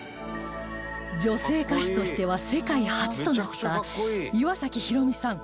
女性歌手としては世界初となった岩崎宏美さん